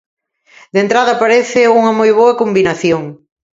De entrada parece unha moi boa combinación.